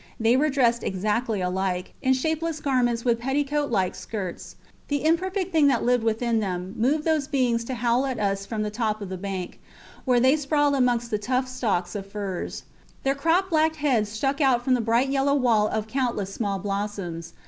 They were dressed exactly alike, in shapeless garments with petticoat like skirts. The imperfect thing that lived within them moved those beings to howl at us from the top of the bank, where they sprawled amongst the tough stalks of furze. Their cropped black heads stuck out from the bright yellow wall of countless small blossoms.